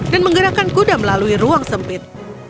dan menggerakkan kuda melalui ruang sempit